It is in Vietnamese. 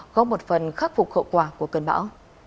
có một phần khắc phục khẩu quả của cơn bão